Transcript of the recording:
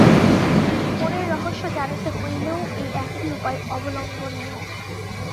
মনের রহস্য জানিতে হইলেও এই একই উপায় অবলম্বনীয়।